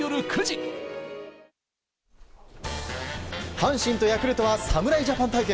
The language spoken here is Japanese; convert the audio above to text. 阪神とヤクルトは侍ジャパン対決。